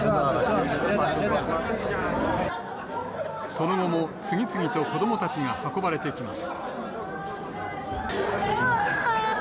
その後も次々と子どもたちが運ばれてきます。